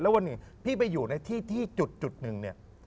แล้ววันนี้พี่ไปอยู่ในที่จุดหนึ่งเนี่ย